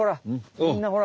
みんなほら。